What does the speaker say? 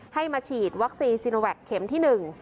ให้มาฉีดวัคซีนโควิด๑๙เข็มที่๑